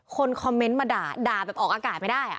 คนคอมเมนต์มาด่าด่าแบบออกอากาศไม่ได้